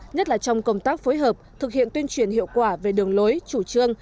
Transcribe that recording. nhất là trong công tác phối hợp thực hiện tuyên truyền hiệu quả về đường lối chủ trương